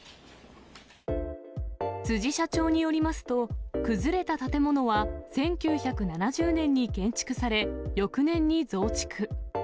辻社長によりますと、崩れた建物は、１９７０年に建築され、翌年に増築。